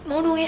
mau dong ya